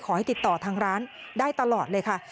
ขอให้ติดต่อทางร้านได้ตลอดเลยค่ะ